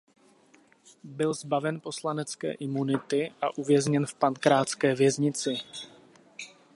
Byl zbaven poslanecké imunity a uvězněn v pankrácké věznici.